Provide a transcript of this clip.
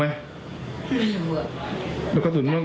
มันชนเหล็กทุกอย่าง